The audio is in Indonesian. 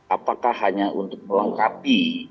apakah hanya untuk melengkapi